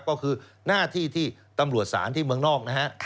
ก็คือหน้าที่ที่ตำรวจศาลที่เมืองนอกนะฮะ